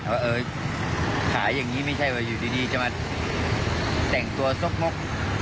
ว่าเออขายอย่างนี้ไม่ใช่ว่าอยู่ดีจะมาแต่งตัวซกมก